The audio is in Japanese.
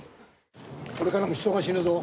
これからも人が死ぬぞ。